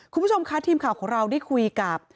คุณผู้ชมคะทีมข่าวของเราได้คุยกับ